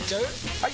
・はい！